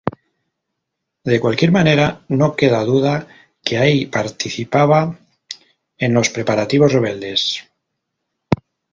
De cualquier manera no queda duda que Ay participaba en los preparativos rebeldes.